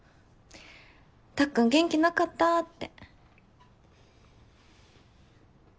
たっくん元気なかったって。